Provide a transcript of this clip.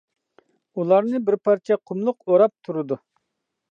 ئۇلارنى بىر پارچە قۇملۇق ئوراپ تۇرىدۇ.